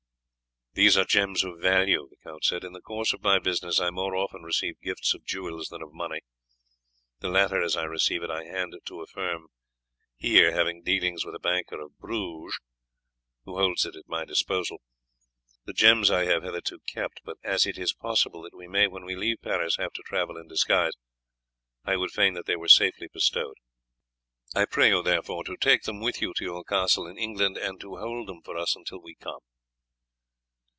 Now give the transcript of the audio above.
"These are gems of value," he said, "In the course of my business I more often receive gifts of jewels than of money. The latter, as I receive it, I hand to a firm here having dealings with a banker of Bruges, who holds it at my disposal. The gems I have hitherto kept; but as it is possible that we may, when we leave Paris, have to travel in disguise, I would fain that they were safely bestowed. I pray you, therefore, to take them with you to your castle in England, and to hold them for us until we come."